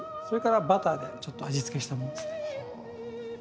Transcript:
それからバターでちょっと味付けしたものです。